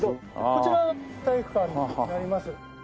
こちら体育館になります。